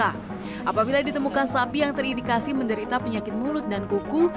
apabila ditemukan sapi yang terindikasi menderita penyakit mulut dan kuku